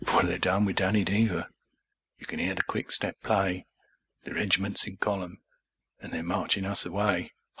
For they're done with Danny Deever, you can 'ear the quickstep play, The regiment's in column, an' they're marchin' us away; Ho!